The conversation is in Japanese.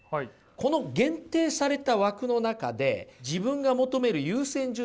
この限定された枠の中で自分が求める優先順位の割合をね